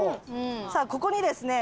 さあここにですね